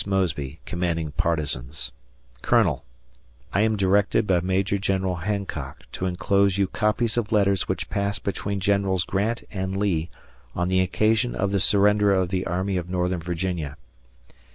Mosby, Commanding Partizans, Colonel: I am directed by Major General Hancock to inclose you copies of letters which passed between Generals Grant and Lee on the occasion of the surrender of the Army of Northern Virginia.